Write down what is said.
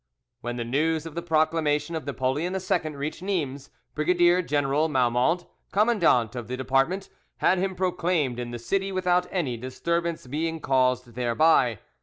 When the news of the proclamation of Napoleon II reached Nimes, Brigadier General Malmont, commandant of the department, had him proclaimed in the city without any disturbance being caused thereby.